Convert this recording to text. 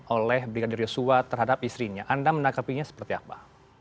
oleh brigadir yosua terhadap istrinya anda menangkapinya seperti apa